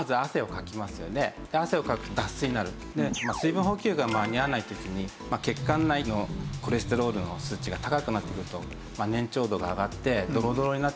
水分補給が間に合わない時に血管内のコレステロールの数値が高くなってくると粘稠度が上がってドロドロになってきます。